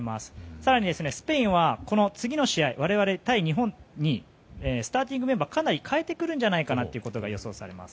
更に、スペインはこの次の試合我々、対日本にスターティングメンバーをかなり変えてくるんじゃないかと予想されます。